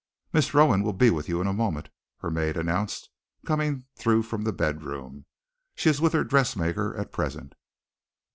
"Miss Rowan will be with you in a moment," her maid announced, coming through from the bedroom. "She is with her dressmaker at present."